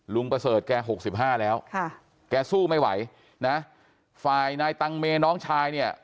ลุงประเสริฐแก๖๕แล้วแกสู้ไม่ไหวนะฝ่ายนายตังเมน้องชายเนี่ย